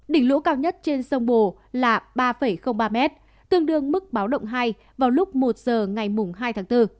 đỉnh lũ cao nhất trên sông bồ là ba ba m tương đương mức báo động hai vào lúc một giờ ngày hai tháng bốn